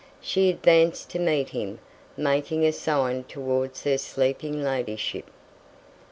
She advanced to meet him, making a sign towards her sleeping ladyship.